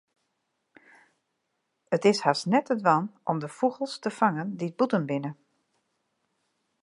It is hast net te dwaan om de fûgels te fangen dy't bûten binne.